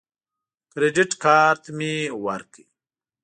کریډټ کارت مې ورکړ.